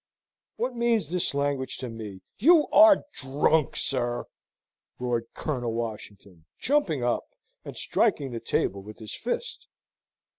"What means this language to me? You are drunk, sir!" roared Colonel Washington, jumping up, and striking the table with his fist.